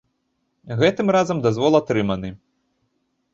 Гэтым разам дазвол атрыманы.